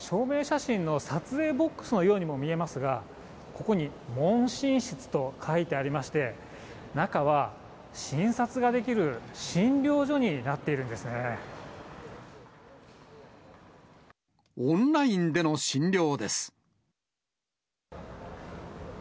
証明写真の撮影ボックスのようにも見えますが、ここに問診室と書いてありまして、中は診察ができる診療所になってオンラインでの診療です。